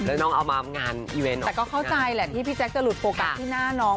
แล้วน้องเอามางานอีเวนต์แต่ก็เข้าใจแหละที่พี่แจ๊คจะหลุดโฟกัสที่หน้าน้อง